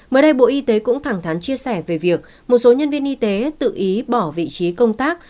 mới đây bộ y tế cũng thẳng thắn chia sẻ về việc một số nhân viên y tế tự ý bỏ vị trí công tác